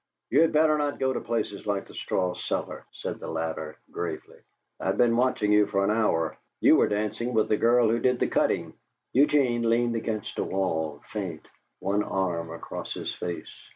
"You'd better not go to places like the 'Straw Cellar,'" said the latter, gravely. "I'd been watching you for an hour. You were dancing with the girl who did the cutting." Eugene leaned against a wall, faint, one arm across his face.